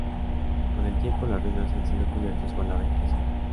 Con el tiempo las ruinas han sido cubiertas por la vegetación.